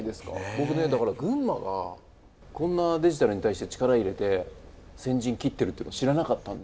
僕ねだから群馬がこんなデジタルに対して力入れて先陣切ってるっていうの知らなかったんで。